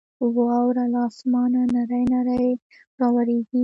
واوره له اسمانه نرۍ نرۍ راورېږي.